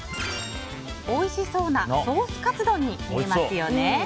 おいしそうなソースカツ丼に見えますよね。